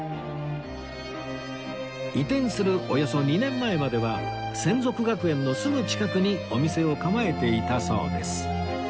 移転するおよそ２年前までは洗足学園のすぐ近くにお店を構えていたそうです